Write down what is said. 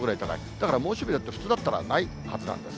だから猛暑日だって平年だったらないはずなんです。